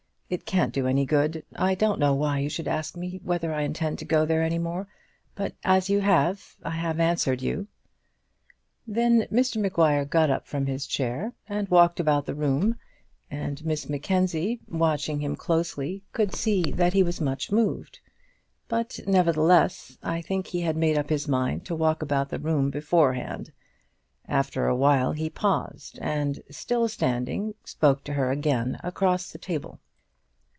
It can't do any good. I don't know why you should ask me whether I intend to go there any more, but as you have, I have answered you." Then Mr Maguire got up from his chair, and walked about the room, and Miss Mackenzie, watching him closely, could see that he was much moved. But, nevertheless, I think he had made up his mind to walk about the room beforehand. After a while he paused, and, still standing, spoke to her again across the table.